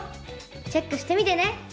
チェックしてみてね！